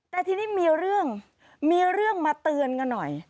แต่ทีนี้มีเรื่องมีเรื่องมาเตือนกันหน่อย